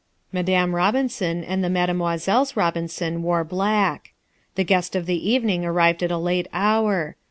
Madame Robinson and the Mademoiselles Robinson wore black. The guest of the evening arrived at a late hour.